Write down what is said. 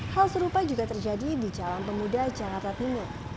hal serupa juga terjadi di jalan pemuda jakarta timur